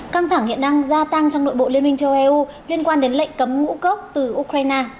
căng thẳng hiện đang gia tăng trong nội bộ liên minh châu eu liên quan đến lệnh cấm ngũ cốc từ ukraine